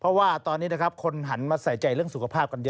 เพราะว่าตอนนี้นะครับคนหันมาใส่ใจเรื่องสุขภาพกันเยอะ